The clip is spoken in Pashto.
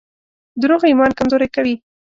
دروغ ایمان کمزوری کوي.